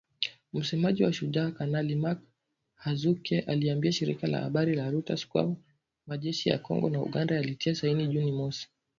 Msemaji wa Shujaa, Kanali Mak Hazukay aliliambia shirika la habari la reuters kuwa majeshi ya Kongo na Uganda yalitia saini Juni mosi.